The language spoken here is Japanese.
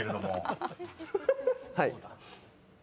はい。